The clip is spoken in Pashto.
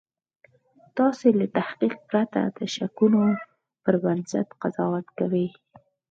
تاسې له تحقیق پرته د شکونو پر بنسټ قضاوت کوئ